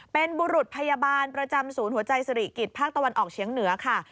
เป็นบุรุษพยาบาลประจำศูนย์หัวใจสิริกิจภาคตะวันออกเฉียงเหนือค่ะ